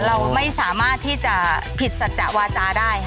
เราไม่สามารถที่จะผิดสัจจะวาจาได้ค่ะ